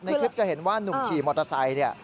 ในคลิปจะเห็นว่านุ่มขี่มอเตอร์ไซน์